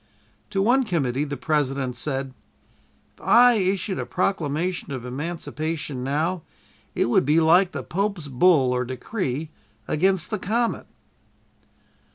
To one committee the President said: "If I issued a proclamation of emancipation now it would be like the Pope's bull (or decree) against the comet!"